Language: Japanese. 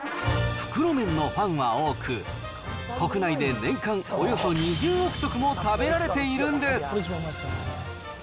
袋麺のファンは多く、国内で年間およそ２０億食も食べられているんです。